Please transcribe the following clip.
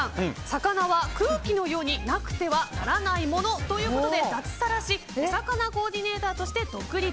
魚は空気のようになくてはならないものということで脱サラしおさかなコーディネーターとして独立。